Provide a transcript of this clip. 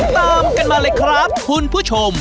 ตามกันมาเลยครับคุณผู้ชม